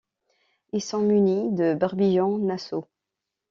Ils sont munis de barbillons nasaux.